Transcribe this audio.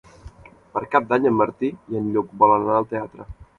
Per Cap d'Any en Martí i en Lluc volen anar al teatre.